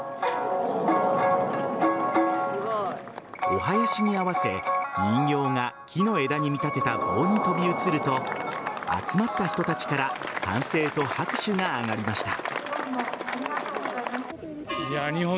おはやしに合わせ人形が木の枝に見立てた棒に飛び移ると集まった人たちから歓声と拍手が上がりました。